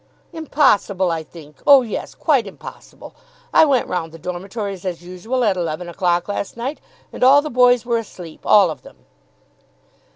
"Impossible, I think. Oh yes, quite impossible! I went round the dormitories as usual at eleven o'clock last night, and all the boys were asleep all of them."